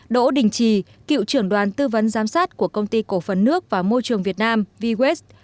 đỗ đình trì cựu trưởng đoàn tư vấn giám sát của công ty cổ phấn nước và môi trường việt nam v west